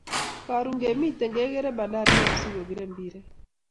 Karon kemiten ke kere Bandari fc kopir mpiret